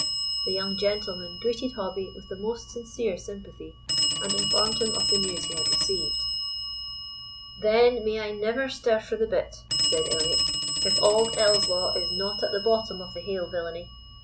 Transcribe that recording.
The young gentleman greeted Hobbie with the most sincere sympathy, and informed him of the news he had received. "Then, may I never stir frae the bit," said Elliot, "if auld Ellieslaw is not at the bottom o' the haill villainy!